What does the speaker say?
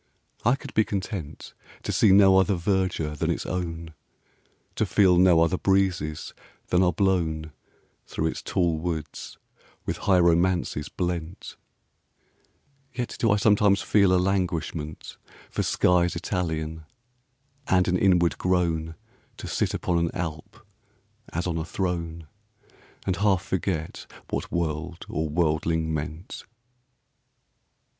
I could be content To see no other verdure than its own; To feel no other breezes than are blown Through its tall woods with high romances blent: Yet do I sometimes feel a languishment 5 For skies Italian, and an inward groan To sit upon an Alp as on a throne, And half forget what world or worldling meant.